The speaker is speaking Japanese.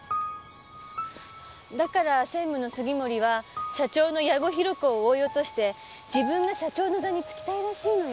だから専務の杉森は社長の矢後弘子を追い落として自分が社長の座に就きたいらしいのよ。